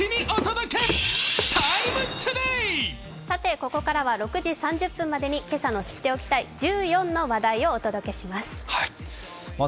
ここからは６時３０分までに今朝の知っておきたい１４の話題をお届けします。